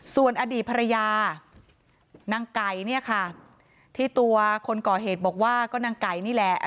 ส่วนอดีตภรรยานางไก่เนี่ยค่ะที่ตัวคนก่อเหตุบอกว่าก็นางไก่นี่แหละ